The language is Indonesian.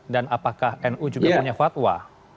dan apakah nu juga punya fatwa